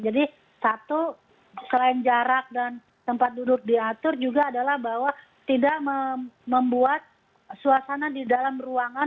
jadi satu selain jarak dan tempat duduk diatur juga adalah bahwa tidak membuat suasana di dalam ruangan